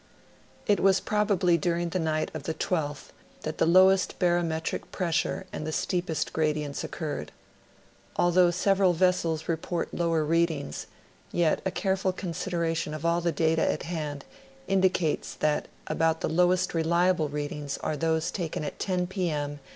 It was probably during the night of the 12th that the lowest barometric pressure and the steepest gradients occurred. Although several vessels report lower readings, yet a careful consideration of all the data at hand indicates that about the lowest reliable readings are those taken at 10 p. m.